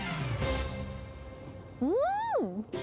うん！